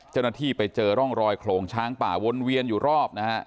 เจ้าหน้าที่ไปเจอร่องรอยโขลงช้างป่าวนเวียนอยู่รอบนะฮะ